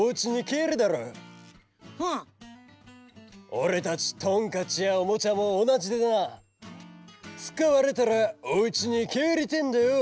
・おれたちトンカチやおもちゃもおなじでなつかわれたらおうちにけえりてえんだよ！